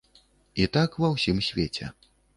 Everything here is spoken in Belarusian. І так ва ўсім свеце.